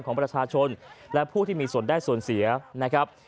เป็นชาวบ้านประชาชนและผู้ที่เป็นส่วนสีนะครับ